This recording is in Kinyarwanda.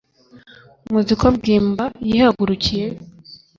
muzi ko bwimba yihagurukiye